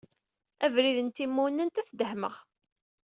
Abrid n timunent ad t-dehmeɣ.